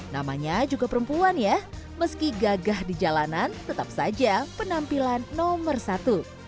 namanya juga perempuan ya meski gagah di jalanan tetap saja penampilan nomor satu